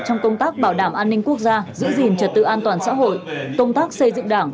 trong công tác bảo đảm an ninh quốc gia giữ gìn trật tự an toàn xã hội công tác xây dựng đảng